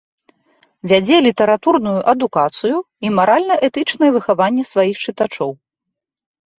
Вядзе літаратурную адукацыю і маральна-этычнае выхаванне сваіх чытачоў.